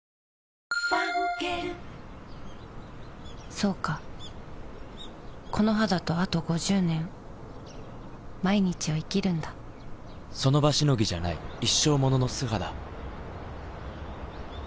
そうかこの肌とあと５０年その場しのぎじゃない一生ものの素肌